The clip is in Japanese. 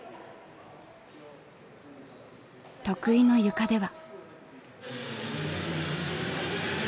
得意のゆかでは。